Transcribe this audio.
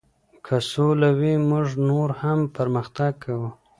که سوله وي موږ نور هم پرمختګ کوو.